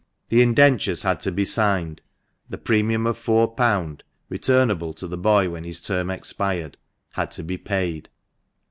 The indentures had to be signed, the premium of £4. (returnable to the boy when his term expired) had to be paid.